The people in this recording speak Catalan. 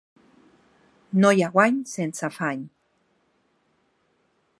No hi ha guany sense afany.